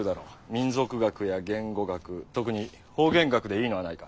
民俗学や言語学特に方言学でいいのはないか。